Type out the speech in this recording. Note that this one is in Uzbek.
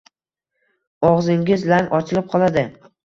Ogʻzingiz lang ochilib qoladi